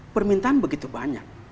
permintaan begitu banyak